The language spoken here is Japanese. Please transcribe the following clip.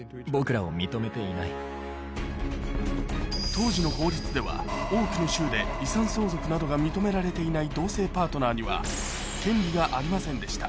当時の法律では多くの州で遺産相続などが認められていない同性パートナーには権利がありませんでした